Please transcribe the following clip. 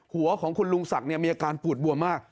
หัวของคุณลุงศักดิ์มีอาการปูดบวมมาก